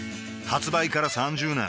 発売から３０年